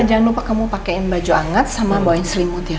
jangan lupa kamu pakaiin baju anget sama bawain selimut ya